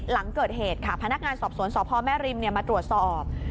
หลังเกิดเหตุค่ะพนักงานสอบสวนสพแม่ริมมาตรวจสอบ